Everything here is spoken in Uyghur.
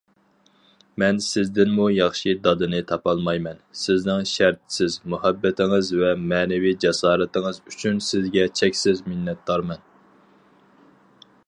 مەن سىزدىنمۇ ياخشى دادىنى تاپالمايمەن، سىزنىڭ شەرتسىز مۇھەببىتىڭىز ۋە مەنىۋى جاسارىتىڭىز ئۈچۈن سىزگە چەكسىز مىننەتدارمەن.